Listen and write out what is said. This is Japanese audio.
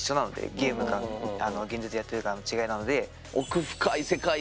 ゲームか現実でやってるかの違いなので。